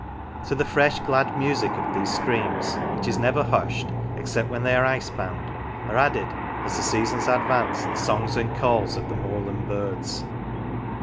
To the fresh glad music of these streams, which is never hushed, except when they are ice bound, are added, as the seasons advance, the songs and calls of the moorland birds.